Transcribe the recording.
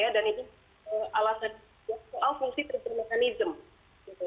dan ini alasan soal fungsi tersebut mekanisme